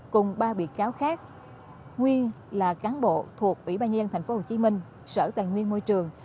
cùng ba bị cáo khác nguyên là cán bộ thuộc ủy ban nhân tp hcm sở tài nguyên môi trường